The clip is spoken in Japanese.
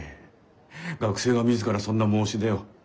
学生が自らそんな申し出を。